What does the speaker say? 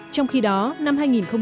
trong khi đó năm hai nghìn một mươi bảy